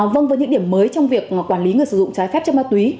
vâng với những điểm mới trong việc quản lý người sử dụng trái phép chất ma túy